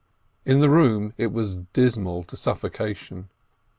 In the room it was dismal to suffocation.